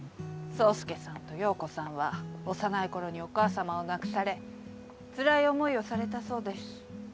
宗介さんと葉子さんは幼い頃にお母さまを亡くされつらい思いをされたそうです。